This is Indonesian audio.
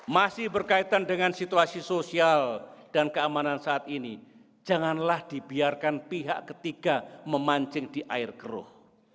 masih berkaitan dengan situasi sosial dan keamanan saat ini janganlah dibiarkan pihak ketiga memancing di air keruh